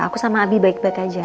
aku sama abi baik baik aja